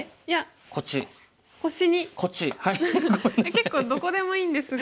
結構どこでもいいんですが。